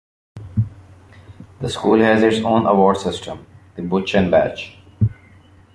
The School has its own award system - the Buchan Badge.